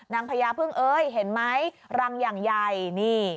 พญาพึ่งเอ้ยเห็นไหมรังอย่างใหญ่นี่